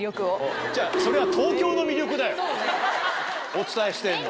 お伝えしてんのは。